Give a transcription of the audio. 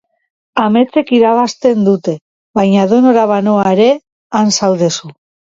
Ametsek irabazten dute, baina, edonora banoa ere, han zaude zu.